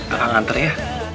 aku nganter ya